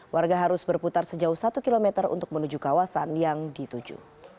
warga harus berputar sejauh satu km untuk menuju kawasan yang dituju